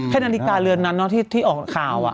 นาฬิกาเรือนนั้นที่ออกข่าว